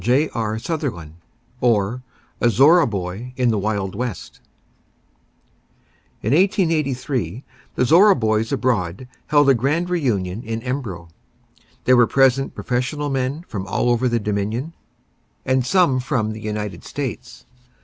J. R. SUTHERLAND; OR, A ZORRA BOY IN THE WILD WEST In 1883 the Zorra boys abroad held a grand re union in Embro. There were present professional men from all over the Dominion, and some from the United States.